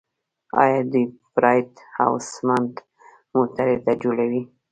آیا دوی پراید او سمند موټرې نه جوړوي؟